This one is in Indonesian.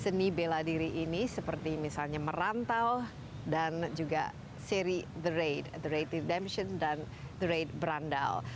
seni bela diri ini seperti misalnya merantau dan juga seri the raid the raid redemption dan the raid brandal